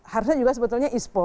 harusnya juga sebetulnya ispo